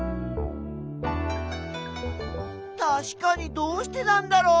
たしかにどうしてなんだろう？